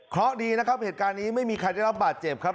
เพราะดีนะครับเหตุการณ์นี้ไม่มีใครได้รับบาดเจ็บครับ